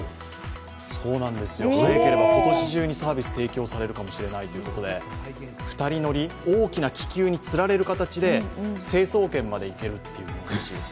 そうなんですよ、今年中にサービスが提供されるかもしれないということで２人乗り、大きな気球につられる形で成層圏まで行けるっていうものらしいです。